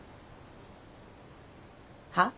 はっ？